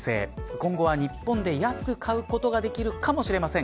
今後は日本で安く買うことができるかもしれません。